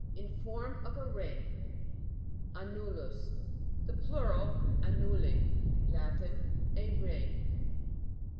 In form of a ring. AN'NUL, US. In the plural, anruli. Latin. A ring.